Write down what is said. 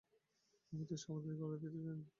আমি তোর সমাধি করে দিতে পারি।